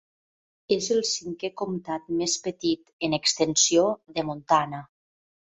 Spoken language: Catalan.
És el cinquè comtat més petit, en extensió, de Montana.